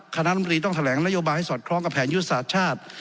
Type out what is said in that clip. คณะมรีต้องแถลงนโยบายให้สอดคล้องกับแผนยุทธศาสตร์ชาติ